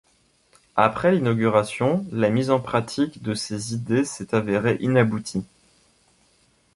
Après l'inauguration, la mise en pratique de ces idées s'est avérée inaboutie.